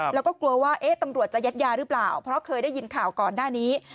แล้วก็กลัวว่าตำรวจจะยัดยาหรือเปล่าเพราะเคยได้ยินข่าวก่อนหน้านี้